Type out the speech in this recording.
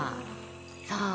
そう。